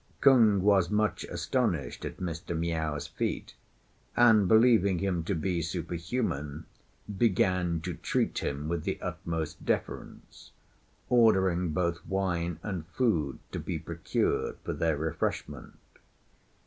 Kung was much astonished at Mr. Miao's feat; and, believing him to be superhuman, began to treat him with the utmost deference, ordering both wine and food to be procured for their refreshment.